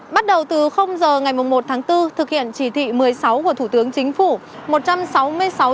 bắt đầu từ giờ ngày một tháng bốn thực hiện chỉ thị một mươi sáu của thủ tướng chính phủ